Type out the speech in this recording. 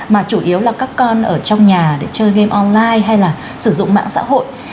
mà chủ yếu là các con ở trong nhà để chơi game online hay là sử dụng mạng xã hội